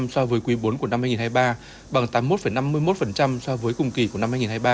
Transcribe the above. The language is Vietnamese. so với quý iv của năm hai nghìn hai mươi ba bằng tám mươi một năm mươi một so với cùng kỳ của năm hai nghìn hai mươi ba